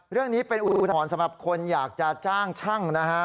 เรื่องนี้เป็นอุทธรณ์สำหรับคนอยากจะจ้างช่างนะฮะ